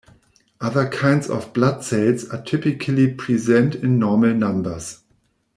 Other kinds of blood cells are typically present in normal numbers.